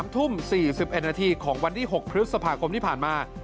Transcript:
๓ทุ่ม๔๑นาทีของวันที่๖พฤษภาคมที่ผ่านมา